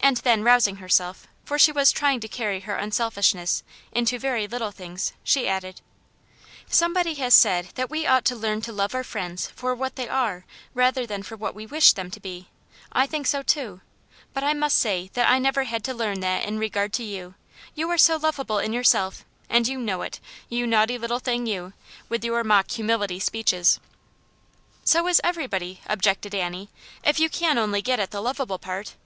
And then, rousing herself, for she was trying to carry her unselfishness into very little things, she added, — "Somebody has said that we ought: to learn to love our friends for what they are, rather than for what we wish them to be. I think so too. But I must say that I never had to learn that in regard to you. You are lovable in yourself, and you know Jt, you naughty little thing you, with your mock humility speeches." Aunt Janets Hero. 229 f " So is everybody," objected Annie, " if you can only get at the lovable part.